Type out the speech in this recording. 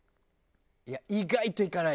意外といかない。